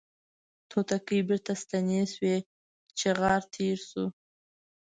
توتکۍ بیرته ستنې شوې چغار تیر شو